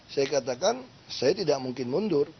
saya katakan saya tidak mungkin mundur